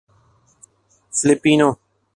Filipino